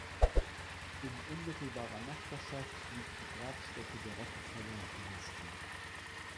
In unmittelbarer Nachbarschaft liegt die Grabstätte der Rockefeller-Dynastie.